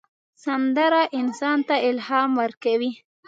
سندره انسان ته الهام ورکوي